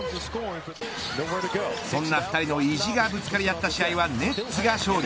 そんな２人の意地がぶつかり合った試合はネッツが勝利。